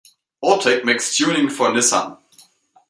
Autech makes tuning for Nissan.